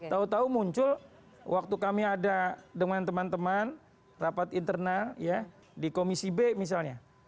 tahu tahu muncul waktu kami ada dengan teman teman rapat internal ya di komisi b misalnya